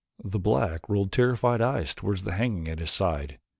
The black rolled terrified eyes toward the hangings at his side.